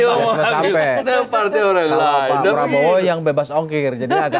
kalau pak prabowo yang bebas ongkir